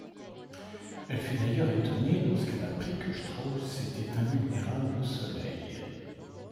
Elle fut d'ailleurs étonnée lorsqu'elle apprit que Strauss était invulnérable au soleil.